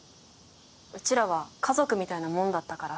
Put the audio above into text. うちらは家族みたいなもんだったから。